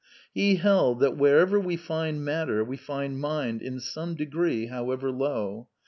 He held that wherever we find matter we find mind in some degree, however low.